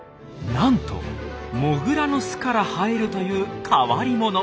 なんとモグラの巣から生えるという変わり者。